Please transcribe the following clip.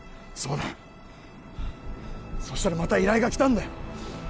そうだそしたらまた依頼が来たんだよ